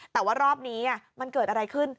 แต่ว่ารอบนี้มันเกิดอะไรขึ้น